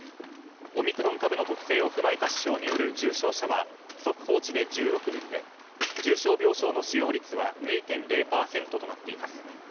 オミクロン株の特性を踏まえた指標による重症者は速報値で１６人で重症病床の使用率は２．０％となっています。